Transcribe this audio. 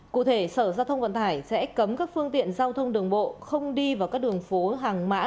cụ thể sở giao thông vận tải sẽ cấm các phương tiện giao thông đường bộ không đi vào các đường phố hàng mã